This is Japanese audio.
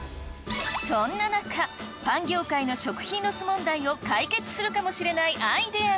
そんな中パン業界の食品ロス問題を解決するかもしれないアイデアが！